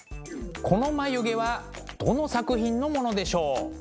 この眉毛はどの作品のものでしょう？